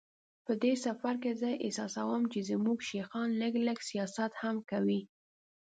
په دې سفر کې زه احساسوم چې زموږ شیخان لږ لږ سیاست هم کوي.